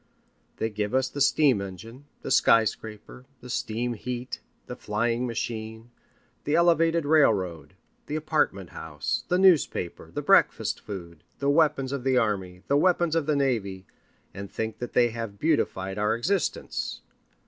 They give us the steam engine, the skyscraper, the steam heat, the flying machine, the elevated railroad, the apartment house, the newspaper, the breakfast food, the weapons of the army, the weapons of the navy, and think that they have beautified our existence.